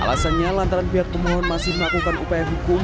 alasannya lantaran pihak pemohon masih melakukan upaya hukum